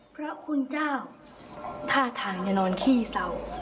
พระคุณเจ้าท่าทางจะนอนขี้เศร้า